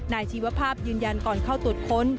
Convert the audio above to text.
ชีวภาพยืนยันก่อนเข้าตรวจค้น